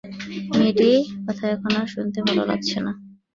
মেয়েটির কথা এখন আর শুনতে ভাল লাগছে না।